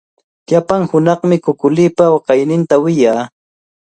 Llapan hunaqmi kukulipa waqayninta wiyaa.